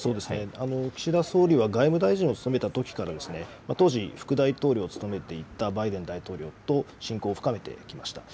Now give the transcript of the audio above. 岸田総理は外務大臣を務めたときから当時、副大統領を務めていたバイデン大統領と親交を深めてきました。